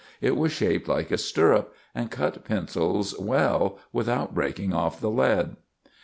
It was shaped like a stirrup, and cut pencils well without breaking off the lead.